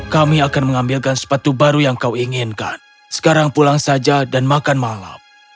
kami akan mengambilkan sepatu baru yang kau inginkan sekarang pulang saja dan makan malam